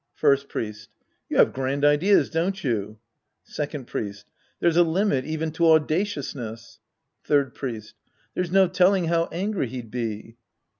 First Priest. You have grand ideas, don't you ? Second Priest. There's a limit even to audacious ness. Third Priest. There's no telling how angry he'd be.